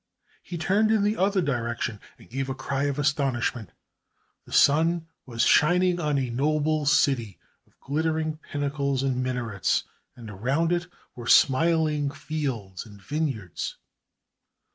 He turned in the other direction and gave a cry of astonishment. The sun was shining on a noble city of glittering pinnacles and minarets, and around it were smiling fields and vineyards.